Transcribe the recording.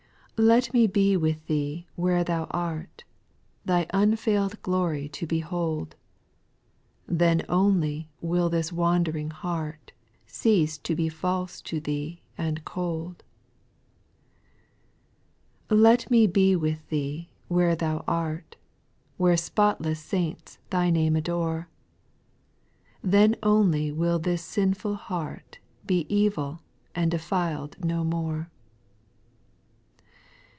2. Let me be with Thee where Thou art, Thy unveird glory to behold ; Then only will this wandering heart Cease to be false to Thee and cold. 8. Let me be with Thee where Thou art. Where spotless saints Thy name adore ; Then only will this sinful heart Be evil and defiled no more.